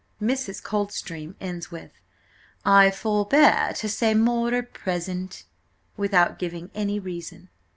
Mrs. Coldstream ends with, "I forbear to say more at present," without giving any reason.